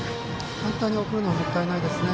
簡単に送るのはもったいないですね。